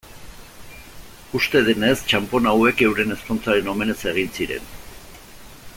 Uste denez txanpon hauek euren ezkontzaren omenez egin ziren.